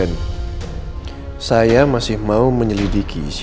abis saja dia semakin simpan seperti itu